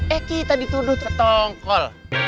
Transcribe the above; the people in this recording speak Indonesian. eh kita dituduh setongkol